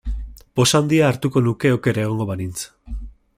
Poz handia hartuko nuke oker egongo banintz.